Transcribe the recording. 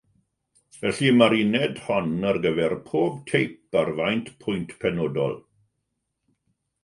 Felly, mae'r uned hon ar gyfer pob teip ar faint pwynt penodol.